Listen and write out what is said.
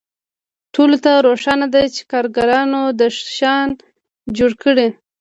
ټولو ته روښانه ده چې کارګرانو دا شیان جوړ کړي